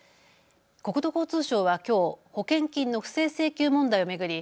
国土交通省はきょう保険金の不正請求問題を巡り